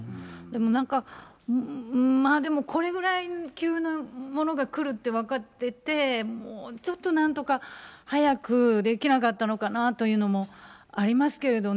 なんか、まあでも、これぐらい急なものが来るって分かってて、もうちょっとなんとか早くできなかったのかなというのもありますけれどね。